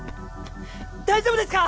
大丈夫ですか！？